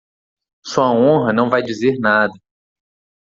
Sua honra não vai dizer nada.